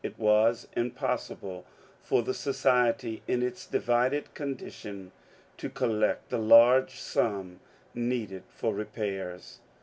It was impossible for the society, in its divided condition, to collect the large sum needed for repairs.